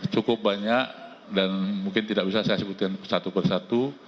cukup banyak dan mungkin tidak bisa saya sebutkan satu persatu